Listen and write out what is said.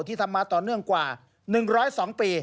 ที่ทำมาต่อเนื่องกว่า๑๐๒ปี